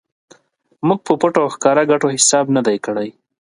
موږ په پټو او ښکاره ګټو حساب نه دی کړی.